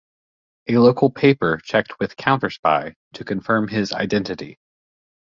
A local paper checked with "CounterSpy" to confirm his identity.